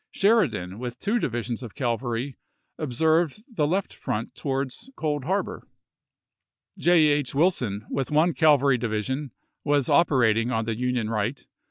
Sheridan, with two divi sions of cavahy, observed the left front towards Cold Harbor ; J. H. Wilson, with one cavalry divi sion, was operating on the Union right.